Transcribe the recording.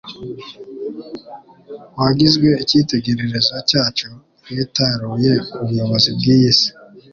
Uwagizwe icyitegererezo cyacu, yitaruye ubuyobozi bw'iyi si.